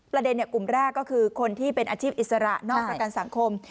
ประเด็นกลุ่มแรกก็คือคนที่เป็นอาชีพอิสระนอกประกันสังคม